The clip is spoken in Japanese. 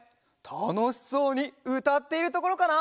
たのしそうにうたっているところかな！